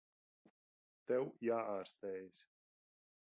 Tev jāārstējas.